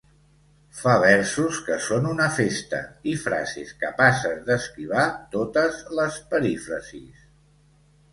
Fa versos que són una festa i frases capaces d'esquivar totes les perífrasis.